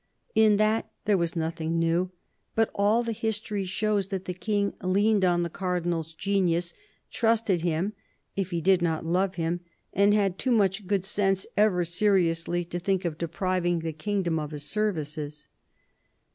In that there was nothing new; but all the history shows that the King leaned on the Cardinal's genius, trusted him, if he did not love him, and had too much good sense ever seriously to think of depriving the kingdom of his services.